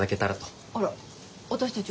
あら私たち